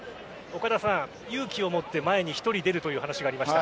岡田さん、勇気を持って前に１人出るという話がありました。